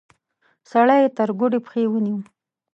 سړی يې تر ګوډې پښې ونيو.